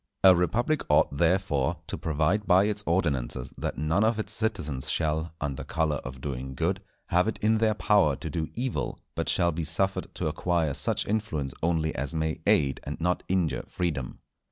A republic ought, therefore, to provide by its ordinances that none of its citizens shall, under colour of doing good, have it in their power to do evil, but shall be suffered to acquire such influence only as may aid and not injure freedom.